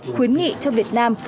khuyến nghị cho việt nam